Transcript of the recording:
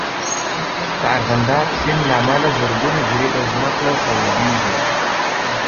د ارغنداب سیند له امله زرګونه جریبه ځمکه خړوبېږي.